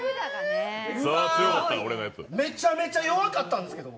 めちゃめちゃ弱かったんです。